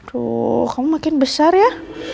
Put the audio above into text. tuh kamu makin besar ya